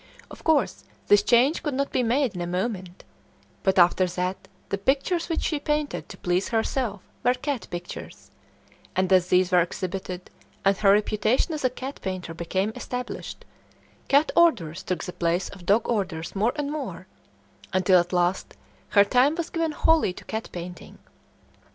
Of course, this change could not be made in a moment; but after that the pictures which she painted to please herself were cat pictures, and as these were exhibited and her reputation as a cat painter became established, cat orders took the place of dog orders more and more, until at last her time was given wholly to cat painting.